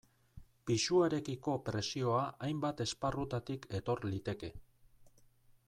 Pisuarekiko presioa hainbat esparrutatik etor liteke.